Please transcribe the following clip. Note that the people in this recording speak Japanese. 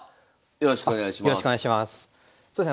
よろしくお願いします。